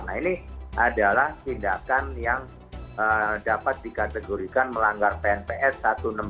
nah ini adalah tindakan yang dapat dikategorikan melanggar pnps satu ratus enam puluh